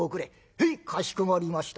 「へいかしこまりました」